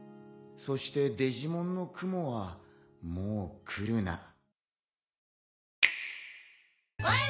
そしてデジモンのクモはもう来るな。